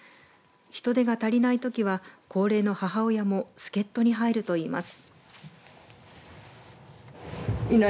人手が足りないときは高齢の母親も助っ人に入ると言います。